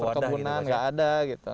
nongkrong di perkebunan nggak ada gitu